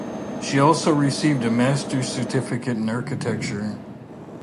She also received a Master's certificate in Architecture.